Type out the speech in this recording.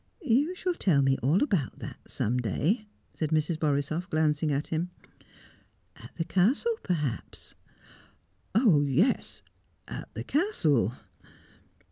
"You shall tell me all about that some day," said Mrs. Borisoff, glancing at him. "At the Castle, perhaps " "Oh yes! At the Castle!"